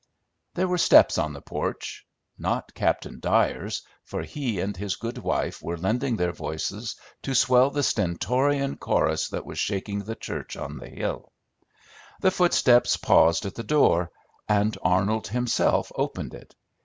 There were steps on the porch, not Captain Dyer's, for he and his good wife were lending their voices to swell the stentorian chorus that was shaking the church on the hill; the footsteps paused at the door, and Arnold himself opened it.